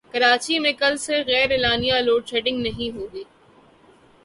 کراچی میں کل سے غیراعلانیہ لوڈشیڈنگ نہیں ہوگی